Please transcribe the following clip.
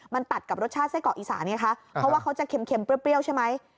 มันตัดกับรสชาติไส้เกาะอีสานไงคะเพราะว่าเขาจะเค็มเปรี้ยวใช่ไหม